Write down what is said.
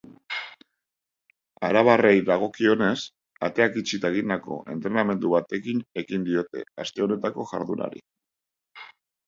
Arabarrei dagokienez, ateak itxita egindako entrenamendu batekin ekin diote aste honetako jardunari.